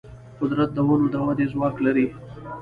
قدرت د ونو د ودې ځواک لري.